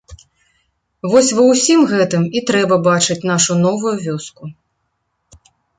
Вось ва ўсім гэтым і трэба бачыць нашу новую вёску.